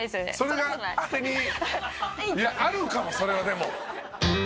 それがあれにいやあるかもそれはでも。